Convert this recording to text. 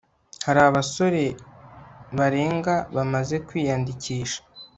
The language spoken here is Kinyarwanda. hari abasore barenga bamaze kwiyandikisha